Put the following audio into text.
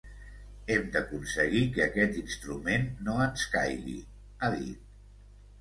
Hem d’aconseguir que aquest instrument no ens caigui, ha dit.